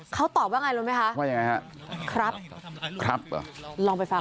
เขาตอบว่าไงรู้ไหมคะว่ายังไงฮะครับครับเหรอลองไปฟัง